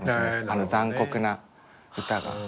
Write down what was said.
あの残酷な歌が。